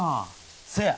せや！